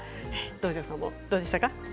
道上さんも、どうでしたか？